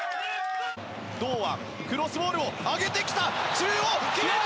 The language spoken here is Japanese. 堂安クロスボールを上げてきた中央、決めた！